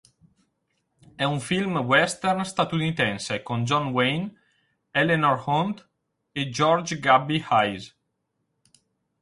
È un film western statunitense con John Wayne, Eleanor Hunt e George 'Gabby' Hayes.